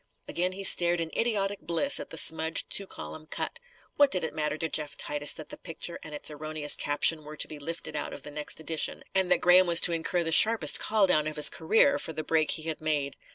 Again he stared in idiotic bliss at the smudged two column cut. What did it matter to Jeff Titus that the picture and its erroneous caption were to be "lifted out" of the next edition, and that Graham was to incur the sharpest call down of his career, for the break he had made?